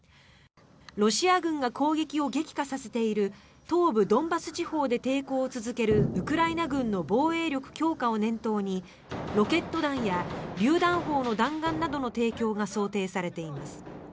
ロシア軍が攻撃を激化させている東部ドンバス地方で抵抗を続けるウクライナ軍の防衛力強化を念頭にロケット弾やりゅう弾砲の弾丸などの提供が想定されています。